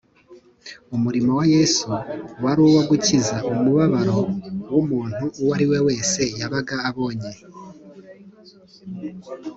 Umurimo wa Yesu wari uwo gukiza umubabaro w’umuntu uwo ariwe wese yabaga abonye